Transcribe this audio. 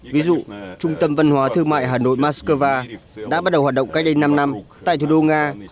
ví dụ trung tâm văn hóa thương mại hà nội moscow đã bắt đầu hoạt động cách đây năm năm tại thủ đô nga